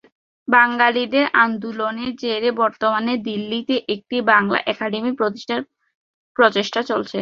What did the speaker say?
বাঙালিদের আন্দোলনের জেরে বর্তমানে দিল্লিতে একটি বাংলা একাডেমি প্রতিষ্ঠার প্রচেষ্টা চলছে।